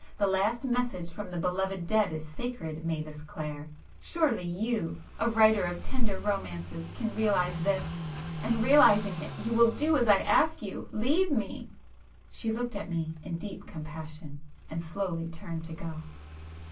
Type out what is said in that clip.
—the last message from the beloved dead is sacred, Mavis Clare; surely you, a writer of tender romances, can realize this!—and realizing it, you will do as I ask you,—leave me!" She looked at me in deep compassion, and slowly turned to go.